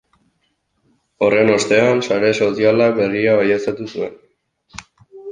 Horren ostean, sare sozialak berria baieztatu zuen.